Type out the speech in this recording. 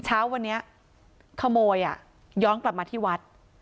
เช้าวันนี้ขโมยย้อนกลับมาที่วัด